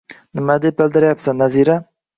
Nimalar deb valdirayapsan, Nazira